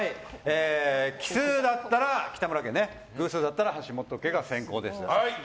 奇数だったら北村家偶数だったら橋本家が先攻です。